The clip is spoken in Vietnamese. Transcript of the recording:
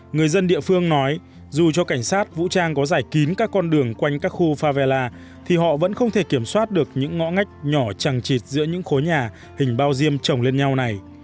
người dân địa phương nói dù cho cảnh sát vũ trang có giải kín các con đường quanh các khu pha vella thì họ vẫn không thể kiểm soát được những ngõ ngách nhỏ trăng trịt giữa những khối nhà hình bao diêm trồng lên nhau này